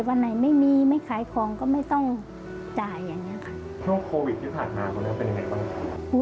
วันไหนไม่มีไม่ขายของก็ไม่ต้องจ่ายอย่างนี้ค่ะ